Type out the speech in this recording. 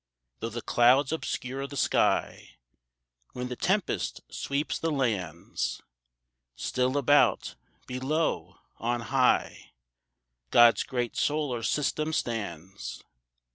Though the clouds obscure the sky, When the tempest sweeps the lands, Still about, below, on high, God's great solar system stands.